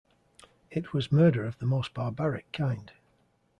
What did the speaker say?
It was murder of the most barbaric kind.